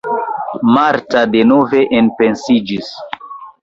Marta denove enpensiĝis.